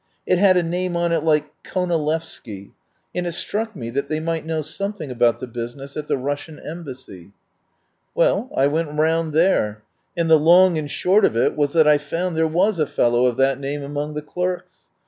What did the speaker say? It had a name on it like Konalevsky, and it struck me that they might know something about the business at the Russian Embassy. Well, I went round 20 THE WILD GOOSE CHASE there, and the long and short of it was that I found there was a fellow of that name among the clerks.